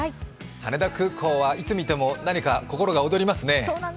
羽田空港はいつ見ても何か心が躍りますね。